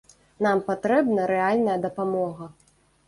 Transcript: Нам патрэбна рэальная дапамога.